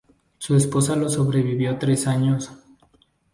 Su esposa lo sobrevivió tres años.